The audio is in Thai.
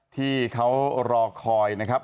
ที่เขารอคอยนะครับ